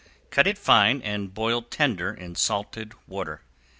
Cut it fine and boil tender in salted water.